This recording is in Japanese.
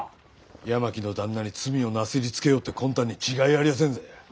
八巻の旦那に罪をなすりつけようって魂胆に違いありやせんぜ。